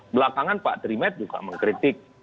belakangan pak trimet juga mengkritik